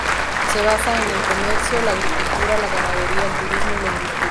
Se basa en el comercio, la agricultura, la ganadería, el turismo y la industria.